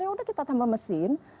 ya udah kita tambah mesin